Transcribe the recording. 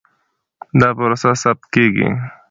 دا پروسه ثبت کېږي.